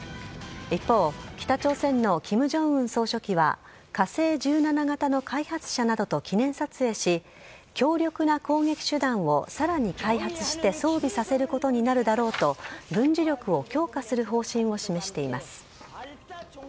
一方、北朝鮮のキム・ジョンウン総書記は、火星１７型の開発者などと記念撮影し、強力な攻撃手段をさらに開発して装備させることになるだろうと、軍事力を強化する方針を示しています。